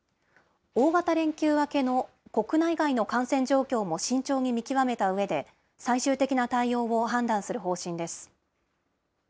大型連休明けの国内外の感染状況も慎重に見極めたうえで、最終的な対応を判断する方針です。